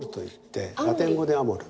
ラテン語でアモル。